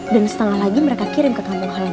dan setengah lagi mereka kirim ke kampung halaman